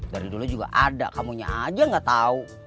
dari dulu juga ada kamunya aja nggak tahu